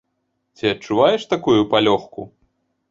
Ці адчуваеш такую палёгку?